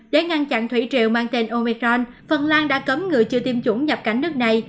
để ngăn chặn thủy triều mang tên omecron phần lan đã cấm người chưa tiêm chủng nhập cảnh nước này